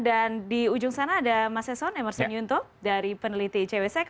dan di ujung sana ada mas sason emerson yunto dari peneliti cwsek